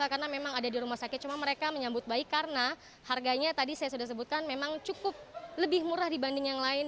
karena memang ada di rumah sakit cuma mereka menyambut baik karena harganya tadi saya sudah sebutkan memang cukup lebih murah dibanding yang lain